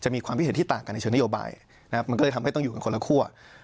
มีความคิดเห็นที่ต่างกันในเชิงนโยบายนะครับมันก็เลยทำให้ต้องอยู่กันคนละคั่ว